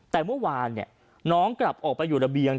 แต่เมื่อวานน้องกลับออกไปอยู่ระเบียง